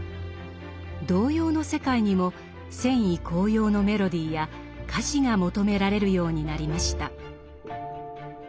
童謡の世界にも戦意高揚のメロディーや歌詞が求められるようになりました。